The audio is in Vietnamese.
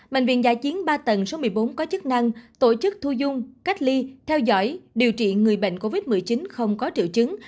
bệnh viện giả chiến ba tầng số một mươi bốn có chức năng tổ chức thu dung cách ly theo dõi điều trị người bệnh covid một mươi chín không có triệu chứng